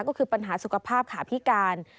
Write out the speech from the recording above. ก็คือปัญหาสุขภาพขาพิการ